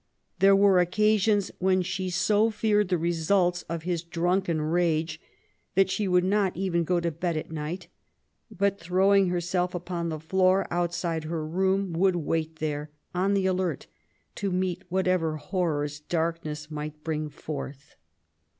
There were occasions when she so feared the results of his drunken rage that she would not even go to bed at nighty but^ throwing her self upon the floor outside her room, would wait there^ on the alert, to meet whatever horrors darkness might bring forth.